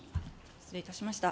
失礼いたしました。